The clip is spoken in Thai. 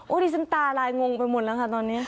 ดิฉันตาลายงงไปหมดแล้วค่ะตอนนี้